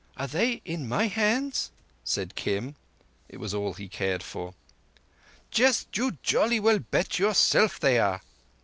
"Are they in thy hands?" said Kim. It was all he cared for. "Just you jolly well bet yourself they are."